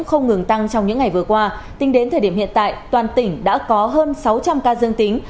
không ngừng tăng trong những ngày vừa qua tính đến thời điểm hiện tại toàn tỉnh đã có hơn sáu trăm linh ca dương tính